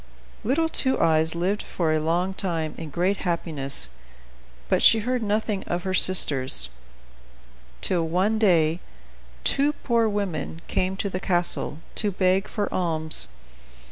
Little Two Eyes lived for a long time in great happiness; but she heard nothing of her sisters, till one day two poor women came to the castle, to beg for alms.